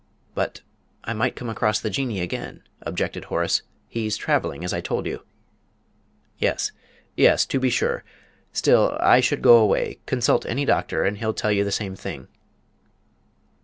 "But I might come across the Jinnee again," objected Horace; "he's travelling, as I told you." "Yes, yes, to be sure. Still, I should go away. Consult any doctor, and he'll tell you the same thing."